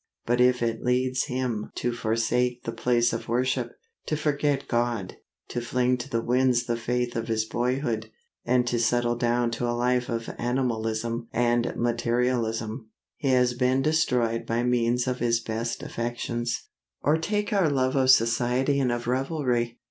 But if it leads him to forsake the place of worship, to forget God, to fling to the winds the faith of his boyhood, and to settle down to a life of animalism and materialism, he has been destroyed by means of his best affections. Or take our love of society and of revelry.